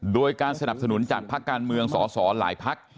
โดยการสนับสนุนจากภาคการเมืองสสหลายพัก